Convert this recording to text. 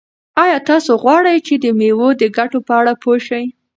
آیا تاسو غواړئ چې د مېوو د ګټو په اړه پوه شئ؟